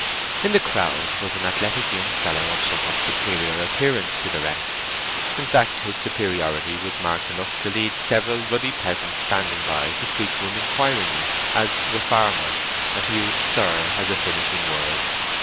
In the crowd was an athletic young fellow of somewhat superior appearance to the rest—in fact, his superiority was marked enough to lead several ruddy peasants standing by to speak to him inquiringly, as to a farmer, and to use "Sir" as a finishing word.